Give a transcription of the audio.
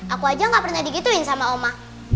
aku aja gak pernah digituin sama oma